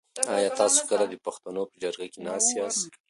آیا تاسو کله د پښتنو په جرګه کي ناست یاست؟